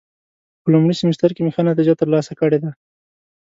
په لومړي سمستر کې مې ښه نتیجه ترلاسه کړې ده.